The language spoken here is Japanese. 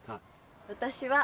私は。